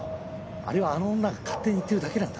あれはあの女が勝手に言ってるだけなんだ。